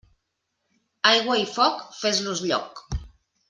Aigua i foc, fes-los lloc.